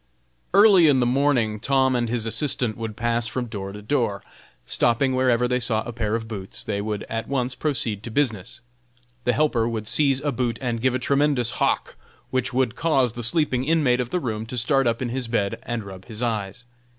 Early in the morning Tom and his assistant would pass from door to door. Stopping wherever they saw a pair of boots, they would at once proceed to business. The helper would seize a boot and give a tremendous "hawk," which would cause the sleeping inmate of the room to start up in his bed and rub his eyes.